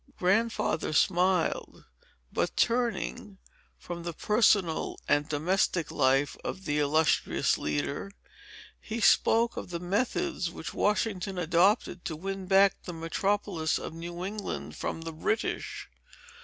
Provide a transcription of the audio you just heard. Grandfather smiled. But, turning from the personal and domestic life of the illustrious leader, he spoke of the methods which Washington adopted to win back the metropolis of New England from the British.